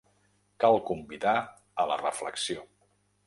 Cal convidar a la reflexió.